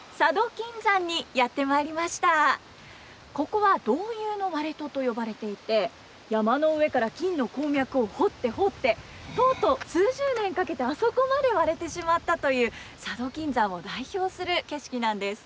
ここは「道遊の割戸」と呼ばれていて山の上から金の鉱脈を掘って掘ってとうとう数十年かけてあそこまで割れてしまったという佐渡金山を代表する景色なんです。